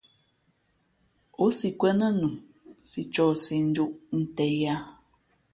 O si kwēn nά nu si ncohsi njūʼ nten yāā.